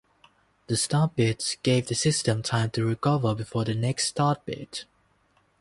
The stop bits gave the system time to recover before the next start bit.